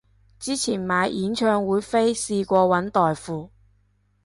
之前買演唱會飛試過搵代付